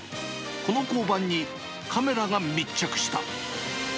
この交番に、カメラが密着した。